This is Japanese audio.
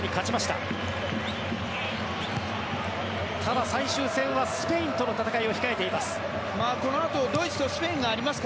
ただ、最終戦はスペインとの戦いを控えています。